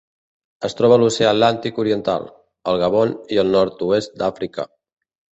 Es troba a l'Oceà Atlàntic oriental: el Gabon i el nord-oest d'Àfrica.